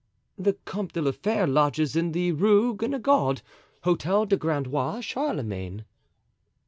"The Comte de la Fere lodges in the Rue Guenegaud, Hotel du Grand Roi Charlemagne."